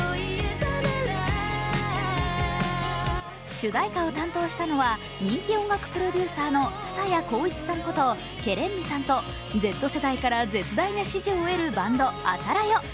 主題歌を担当したのは人気音楽プロデューサーの蔦谷好位置さんことＫＥＲＥＮＭＩさんとＺ世代から絶大な支持を得るあたらよ。